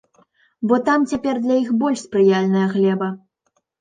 Бо там цяпер для іх больш спрыяльная глеба.